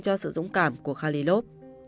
cho sự dũng cảm của khalilov